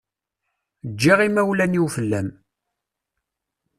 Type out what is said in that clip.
Ǧǧiɣ imawlan-iw fell-am.